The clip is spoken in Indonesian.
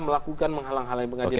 melakukan menghalang halangi pengadilan